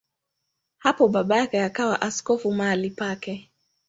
Hapo baba yake akawa askofu mahali pake.